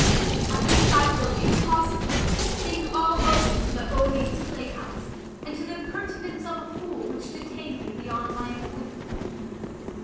At least I would, if possible, think all owing to the odious playhouse, and to the impertinence of a fool, which detained me beyond my appointment.